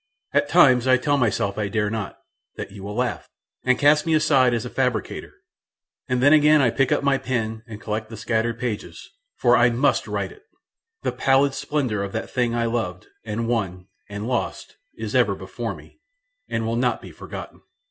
At times I tell myself I dare not: that you will laugh, and cast me aside as a fabricator; and then again I pick up my pen and collect the scattered pages, for I MUST write it the pallid splendour of that thing I loved, and won, and lost is ever before me, and will not be forgotten.